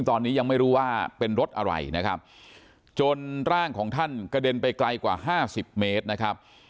ตอนนี้ยังไม่รู้ว่าเป็นรถอะไรนะครับจนร่างของท่านกระเด็นไปไกลกว่าห้าสิบเมตรนะครับ